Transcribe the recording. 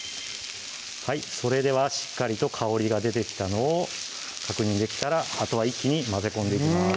それではしっかりと香りが出てきたのを確認できたらあとは一気に混ぜ込んでいきます